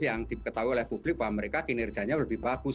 yang diketahui oleh publik bahwa mereka kinerjanya lebih bagus